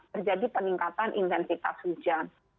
terjadi peningkatan intensitas hujan